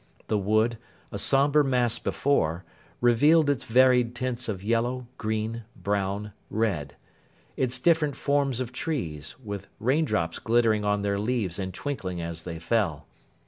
The wood, a sombre mass before, revealed its varied tints of yellow, green, brown, red: its different forms of trees, with raindrops glittering on their leaves and twinkling as they fell.